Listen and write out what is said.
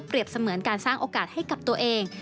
เสมือนการสร้างโอกาสให้กับตัวเอง